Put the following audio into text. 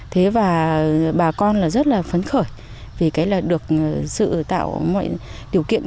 thế và bà con là rất là phấn khởi vì cái là được sự tạo mọi điều kiện